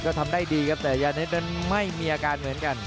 ก็ทำได้ดีครับแต่ยาเน็ตนั้นไม่มีอาการเหมือนกัน